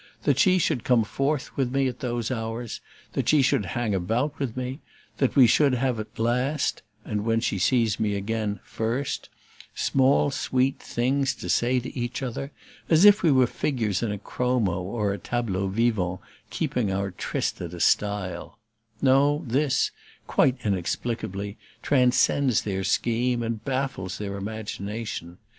That she should come forth with me at those hours, that she should hang about with me, and that we should have last (and, when she meets me again, first) small sweet things to say to each other, as if we were figures in a chromo or a tableau vwant keeping our tryst at a stile no, this, quite inexplicably, transcends their scheme and baffles their imagination.